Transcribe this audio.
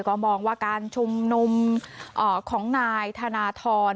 ก็มองว่าการชุมนุมของนายธนทร